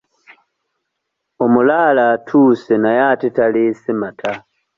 Omulaalo atuuse naye ate taleese mata.